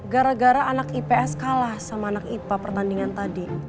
gara gara anak ips kalah sama anak ipa pertandingan tadi